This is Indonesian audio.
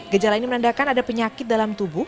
gejala ini menandakan ada penyakit dalam tubuh